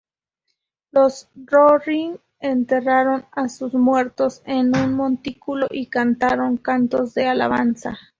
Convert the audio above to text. Los rohirrim enterraron a sus muertos en un montículo y cantaron cantos de alabanza.